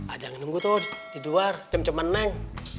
ada yang ngenung gua tuh di luar cem cemen neng